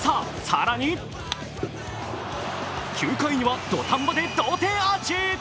更に９回には土壇場で同点アーチ。